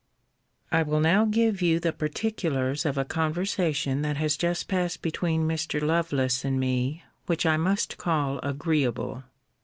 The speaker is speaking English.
I will now give you the particulars of a conversation that has just passed between Mr. Lovelace and me, which I must call agreeable.